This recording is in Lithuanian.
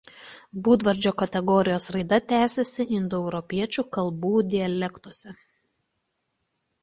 Būdvardžio kategorijos raida tęsėsi indoeuropiečių kalbų dialektuose.